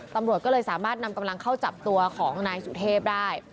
ตำรวจก็เลยสามารถนำกำลังเข้าจับตัวของนายสุเทพได้